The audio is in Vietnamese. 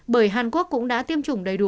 bởi hàn quốc cũng đã tiêm chủng đầy đủ